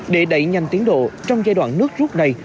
để đẩy nhanh tiến độ trong giai đoạn nước rút này